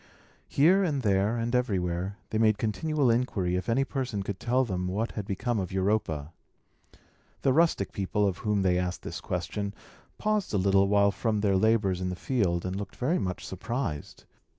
Here, and there, and everywhere, they made continual inquiry if any person could tell them what had become of Europa. The rustic people, of whom they asked this question, paused a little while from their labours in the field, and looked very much surprised.